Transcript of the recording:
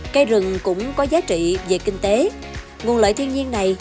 cây rừng cũng có giá trị về kinh tế nguồn lợi thiên nhiên này